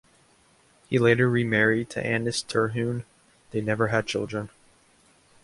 He later remarried to Anice Terhune; they never had children.